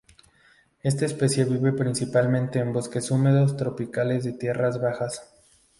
Esta especie vive principalmente en bosques húmedos tropicales de tierras bajas.